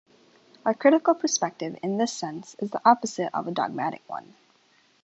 A "critical perspective", in this sense, is the opposite of a dogmatic one.